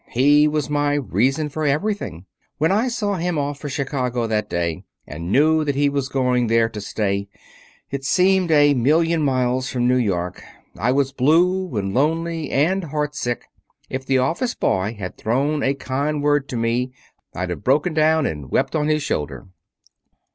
He was my reason for everything. When I saw him off for Chicago that day, and knew he was going there to stay, it seemed a million miles from New York. I was blue and lonely and heart sick. If the office boy had thrown a kind word to me I'd have broken down and wept on his shoulder."